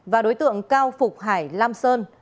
và đối tượng cao phục hải lam sơn